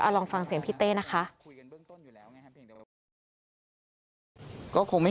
ลองฟังเสียงพี่เต้นะคะ